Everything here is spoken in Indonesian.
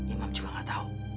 imam juga gak tau